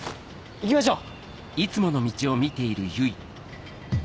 行きましょう！